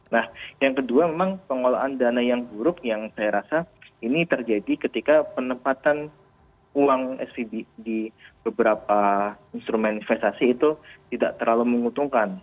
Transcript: nah yang kedua memang pengelolaan dana yang buruk yang saya rasa ini terjadi ketika penempatan uang svb di beberapa instrumen investasi itu tidak terlalu menguntungkan